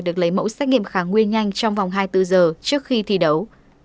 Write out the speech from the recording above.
được lấy mẫu xét nghiệm kháng nguyên nhanh trong vòng hai mươi bốn giờ trước khi thi đấu